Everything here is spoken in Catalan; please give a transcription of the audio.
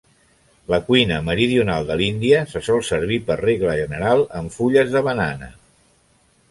La cuina meridional de l'Índia se sol servir per regla general en fulles de banana.